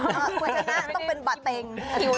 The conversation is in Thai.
ต้องเป็นบะเต็ง